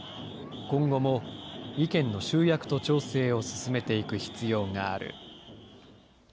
今後も意見の集約と調整を進めていく必要がある。